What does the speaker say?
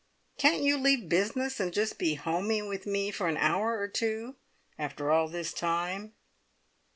Can't you leave business, and just be `homey' with me for an hour or two, after all this time?"